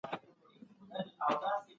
خارښ لرونکي پیغامونه خورا ورو لېږدول کېږي.